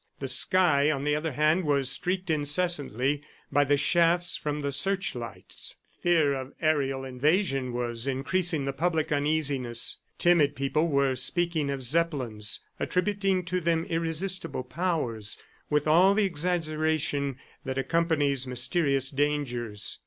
The sky, on the other hand, was streaked incessantly by the shafts from the searchlights. Fear of aerial invasion was increasing the public uneasiness. Timid people were speaking of Zeppelins, attributing to them irresistible powers, with all the exaggeration that accompanies mysterious dangers.